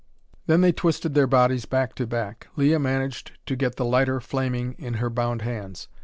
Then they twisted their bodies back to back. Leah managed to get the lighter flaming in her bound hands.